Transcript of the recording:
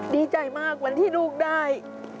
ดีใจมากวันที่ลูกได้